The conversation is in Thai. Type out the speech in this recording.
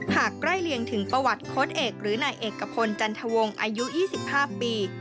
ใกล้เลียงถึงประวัติโค้ดเอกหรือนายเอกพลจันทวงศ์อายุ๒๕ปี